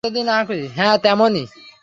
হ্যাঁ, তেমনই।